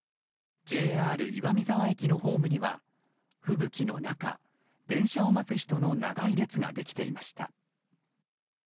ＪＲ岩見沢駅のホームには吹雪の中電車を待つ人の長い列ができていました。